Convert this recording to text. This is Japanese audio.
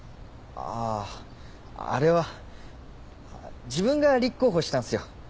あぁあれは自分が立候補したんすよ。